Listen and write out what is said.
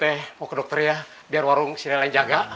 ejoknya op obrianned sayang renjang